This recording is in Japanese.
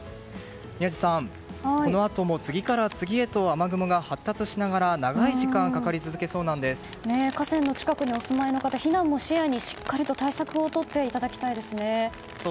宮司さん、このあとも次から次へと雨雲が発達しながら長い時間河川の近くにお住まいの方、避難も視野にしっかりと対策をとっていただきたいですね。